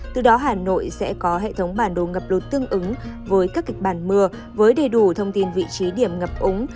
từ đó hà nội sẽ có hệ thống bản đồ ngập lụt tương ứng với các kịch bản mưa với đầy đủ thông tin vị trí điểm ngập úng